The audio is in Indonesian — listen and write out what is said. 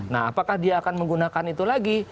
nah apakah dia akan menggunakan itu lagi